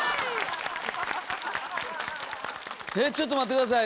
えちょっと待って下さい。